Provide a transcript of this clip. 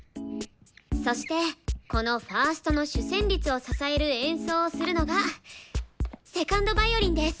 そしてこのファーストの主旋律を支える演奏をするのが２ｎｄヴァイオリンです。